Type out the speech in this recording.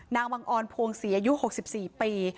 นางวังออนพวงเสียอายุ๖๔ปี